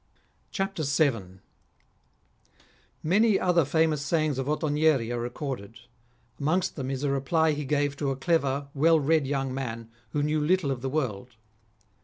CHAPTEE VIL Many other famous sayings of Ottonieri are recorded. Amongst them is a reply he gave to a clever, well read young man, who knew little of the world.